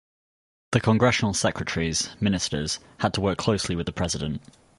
The Congressional secretaries - ministers - had to work closely with the president.